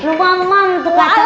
rumah emang tuh kacau